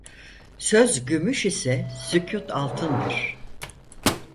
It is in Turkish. Söz gümüş ise sükût altındır.